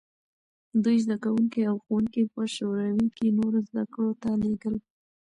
دوی زدکوونکي او ښوونکي په شوروي کې نورو زدکړو ته لېږل.